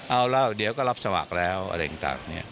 เอาแล้วเดี๋ยวก็รับสมัครแล้วอะไรต่างเนี่ย